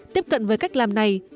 tiếp cận với cách làm này